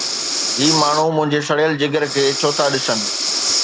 هي ماڻهو منهنجي سڙيل جگر کي ڇو ٿا ڏسن؟